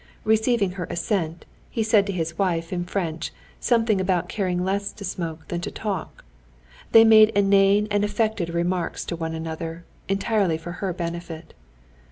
Receiving her assent, he said to his wife in French something about caring less to smoke than to talk. They made inane and affected remarks to one another, entirely for her benefit.